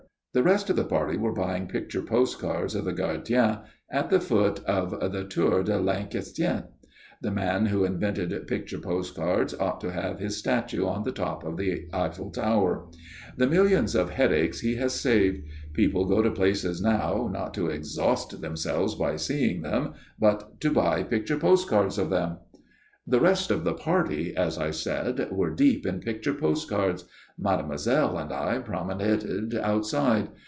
The rest of the party were buying picture postcards of the gardien at the foot of the Tour de l'Inquisition. The man who invented picture postcards ought to have his statue on the top of the Eiffel Tower. The millions of headaches he has saved! People go to places now not to exhaust themselves by seeing them, but to buy picture postcards of them. The rest of the party, as I said, were deep in picture postcards. Mademoiselle and I promenaded outside.